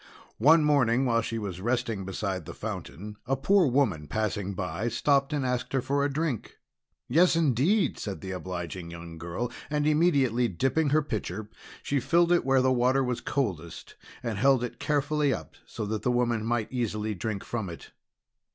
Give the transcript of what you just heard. One morning, while she was resting beside the fountain, a poor woman passing by, stopped and asked her for a drink. "Yes, indeed!" said the obliging young girl. And immediately dipping her pitcher, she filled it where the water was coldest, and held it carefully up so that the woman might easily drink from it.